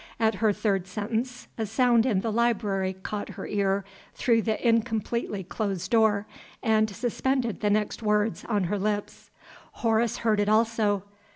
At her third sentence a sound in the library caught her ear through the incompletely closed door and suspended the next words on her lips. Horace heard it also.